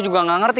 juga nggak ngerti